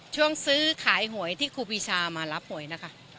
ซื้อขายหวยที่ครูปีชามารับหวยนะคะ